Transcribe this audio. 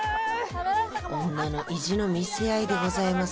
女の意地の見せ合いでございます